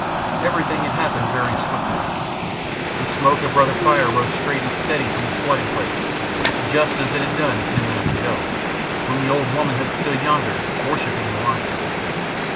Everything had happened very swiftly. The smoke of Brother Fire rose straight and steady from the squatting place, just as it had done ten minutes ago, when the old woman had stood yonder worshipping the lion.